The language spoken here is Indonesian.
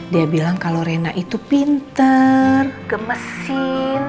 dia bilang kalau rena itu pinter gemesin